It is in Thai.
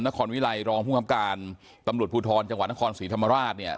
วิลัยรองภูมิครับการตำรวจภูทรจังหวัดนครศรีธรรมราชเนี่ย